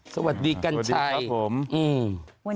สวัสดีกันชัยอืมวันนี้วันหนึ่งครับสวัสดีครับผม